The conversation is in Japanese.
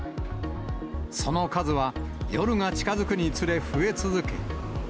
その数は夜が近づくにつれ増え続け。